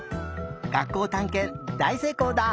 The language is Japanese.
学校たんけんだいせいこうだ！